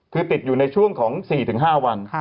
เป็นในช่วงของ๔๕วัน